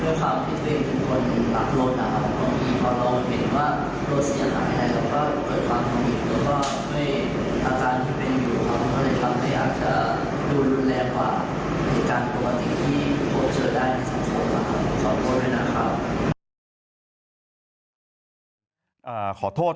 ทางแฟนสาวก็พาคุณแม่ลงจากสอพอ